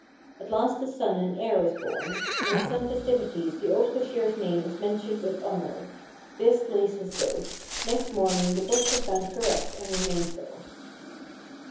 At last a son and heir is born, and at some festivities the old cashier's name is mentioned with honour. This lays his ghost. Next morning the books are found correct and remain so.